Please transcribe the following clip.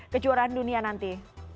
kejuaraan dunia nanti